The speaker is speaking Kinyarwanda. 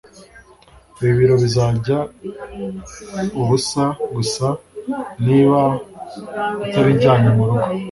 Ibi biryo bizajya ubusa gusa niba utabijyanye murugo